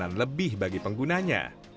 dan lebih bagi penggunanya